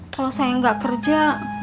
kalo saya gak kerja